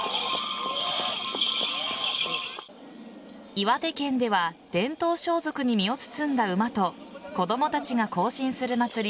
岩手県では伝統装束に身を包んだ馬と子供たちが行進する祭り